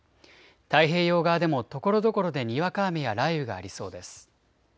太平洋側でもところどころでにわか雨や雷雨がありそうです。